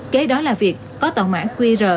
kế đó là việc có tòa mã qr